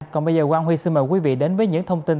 còn bây giờ quang huy xin mời quý vị đến với những thông tin